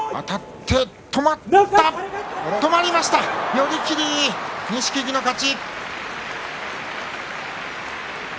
寄り切り、錦木の勝ち。